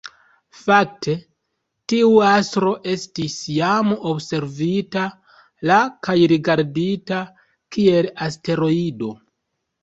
Fakte, tiu astro estis jam observita la kaj rigardita kiel asteroido.